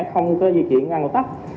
không có di chuyển ra ngôi tắc